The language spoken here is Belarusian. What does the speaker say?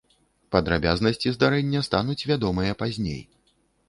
Падрабязнасці здарэння стануць вядомыя пазней.